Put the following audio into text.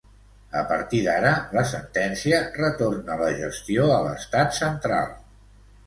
A partir d'ara, la sentència retorna la gestió a l'estat central.